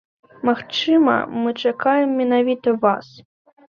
Магчыма, мы чакаем менавіта вас.